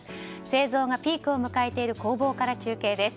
製造がピークを迎えている工房から中継です。